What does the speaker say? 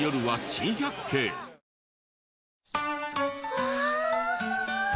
わあ！